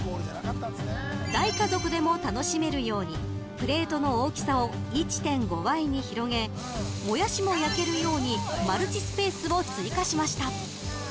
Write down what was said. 大家族でも楽しめるようにプレートの大きさを１．５倍に広げモヤシも焼けるようにマルチスペースを追加しました。